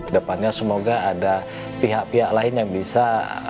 depannya semoga ada pihak pihak lain yang bisa